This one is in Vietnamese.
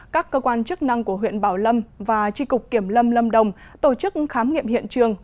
các cơ quan chức năng của huyện bảo lâm và tri cục kiểm lâm lâm đồng tổ chức khám nghiệm hiện trường